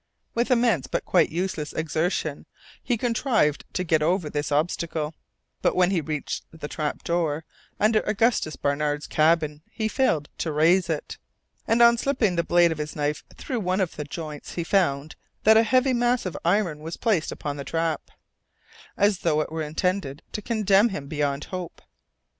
With immense but quite useless exertion he contrived to get over this obstacle, but when he reached the trap door under Augustus Barnard's cabin he failed to raise it, and on slipping the blade of his knife through one of the joints he found that a heavy mass of iron was placed upon the trap, as though it were intended to condemn him beyond hope.